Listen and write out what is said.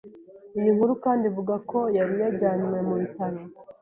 Iyi nkuru kandi ivuga ko yari yajyanywe mu bitaro